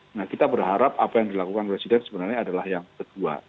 nah kita berharap apa yang dilakukan presiden sebenarnya adalah yang kedua